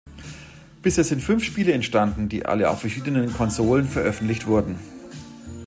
Bisher sind fünf Spiele entstanden, die alle auf verschiedenen Konsolen veröffentlicht wurden.